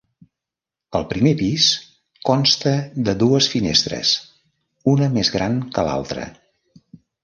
El primer pis consta de dues finestres, una més gran que l'altra.